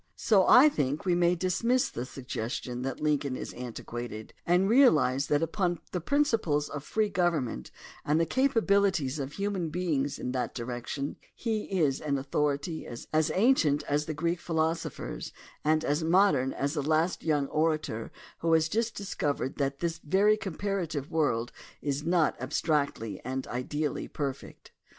So I think we may dismiss the suggestion that Lincoln is antiquated and realize that upon the principles of free government and the capa bilities of human beings in that direction he is an authority as ancient as the Greek philosophers and as modern as the last young orator who has just dis covered that this very comparative world is not ab stractly and ideally perfect.